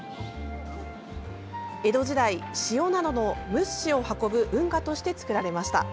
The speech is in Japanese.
江戸時代、塩などの物資を運ぶ運河として作られました。